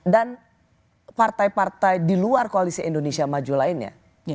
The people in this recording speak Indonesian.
dan partai partai di luar koalisi indonesia maju lainnya